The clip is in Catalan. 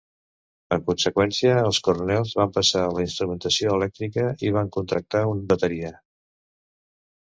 En conseqüència, els coronels van passar a la instrumentació elèctrica i van contractar un bateria.